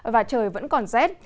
và trời vẫn còn rét